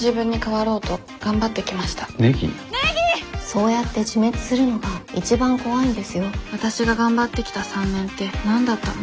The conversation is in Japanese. わたしが頑張ってきた３年って何だったの？